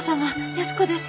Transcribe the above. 安子です。